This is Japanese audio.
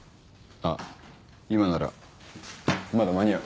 あっ今ならまだ間に合う！